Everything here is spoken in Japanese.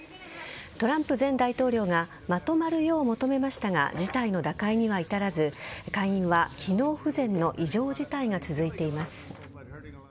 トランプ前大統領がまとまるよう求めましたが事態の打開には至らず下院は機能不全の異常事態が続いています。